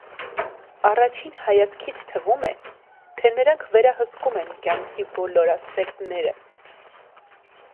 Առաջին հայացքից թվում է, թե նրանք վերահսկում են կյանքի բոլոր ասպեկտները։